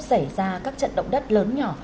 xảy ra các trận động đất lớn nhỏ